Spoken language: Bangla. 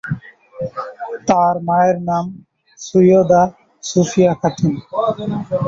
তার মায়ের নাম সৈয়দা সুফিয়া খাতুন।